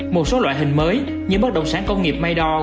một số loại hình mới như bất đồng sản công nghiệp maydor